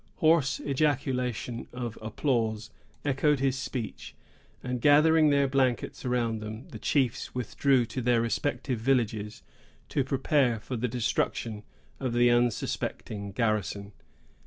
Hoarse ejaculations of applause echoed his speech; and, gathering their blankets around them, the chiefs withdrew to their respective villages, to prepare for the destruction of the unsuspecting garrison.